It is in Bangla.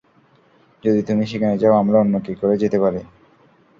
যদি তুমি সেখানে যাও, আমরা অন্য কি করে যেতে পারি?